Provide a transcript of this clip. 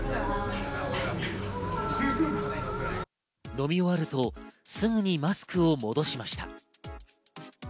飲み終わるとすぐにマスクを戻しました。